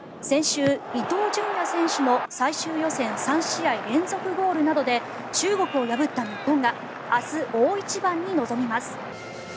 先週、伊東純也選手の最終予選３試合連続ゴールなどで中国を破った日本が明日、大一番に臨みます。